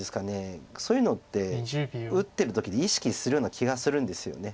そういうのって打ってる時意識するような気がするんですよね。